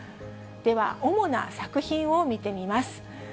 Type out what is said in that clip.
では、主な作品を見てみます。